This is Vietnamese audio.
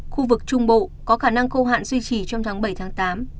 khu vực trung bộ có khả năng khô hạn duy trì trong tháng bảy tám